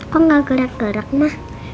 kok gak gerak gerak ma